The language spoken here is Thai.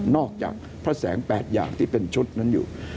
จากพระแสง๘อย่างที่เป็นชุดนั้นอยู่